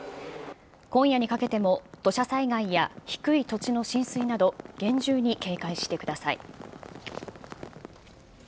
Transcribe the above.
今夜にかけても土砂災害や低い土地の浸水など、厳重に警戒してください。